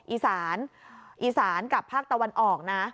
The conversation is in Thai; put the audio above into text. อีสานกับภาคตะวันออกนะ